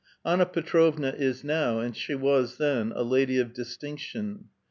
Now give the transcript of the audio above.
Anna Petrovna is now, and she was then, a lady of distinction.